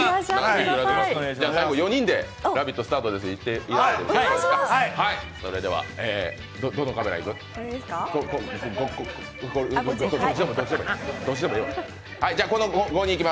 最後、４人で「ラヴィット！」スタートですって言って。